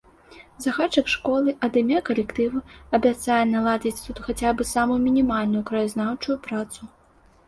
Загадчык школы ад імя калектыву абяцае наладзіць тут хаця б самую мінімальную краязнаўчую працу.